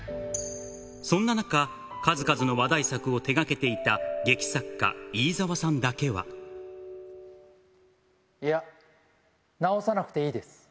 そんな中、数々の話題作を手がけていた劇作家、飯沢さんだけは。いや、直さなくていいです。